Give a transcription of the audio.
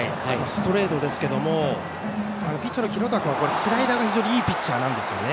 ストレートですけどもピッチャーの廣田君はスライダーが非常にいいピッチャーなんですよね。